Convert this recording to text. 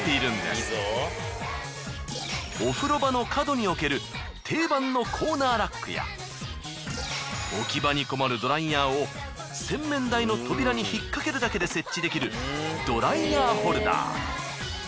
お風呂場の角に置ける定番のコーナーラックや置き場に困るドライヤーを洗面台の扉に引っかけるだけで設置できるドライヤーホルダー。